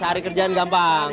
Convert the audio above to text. cari kerjaan gampang